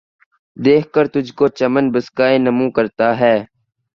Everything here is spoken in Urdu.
دیکھ کر تجھ کو ، چمن بسکہ نُمو کرتا ہے